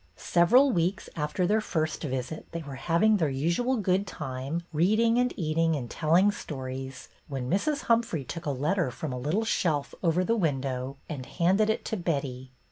Several weeks after their first visit they were having their usual good time, reading and eating and telling stories, when Mrs. Humphrey took a letter from a little shelf over the window and handed it to Betty.